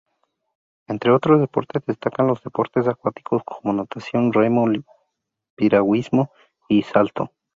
Entre otros deportes, destacan los deportes acuáticos, como natación, remo, piragüismo y salto.